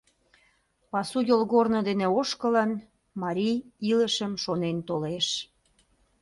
Пасу йолгорно дене ошкылын, марий илышым шонен толеш.